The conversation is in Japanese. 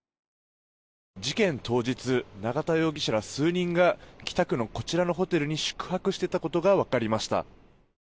事件当日永田容疑者ら数人が北区のこちらのホテルに宿泊していたことが分かりました。